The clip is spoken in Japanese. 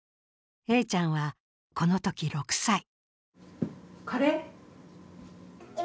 Ａちゃんは、このとき６歳。